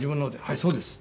「はいそうです」